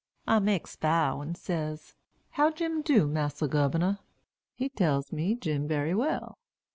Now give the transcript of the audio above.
I makes bow, and says, 'How Jim do, Massa Gubernor?' He tells me Jim bery well.